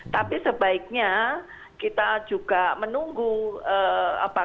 tapi sebaiknya kita juga menunggu apa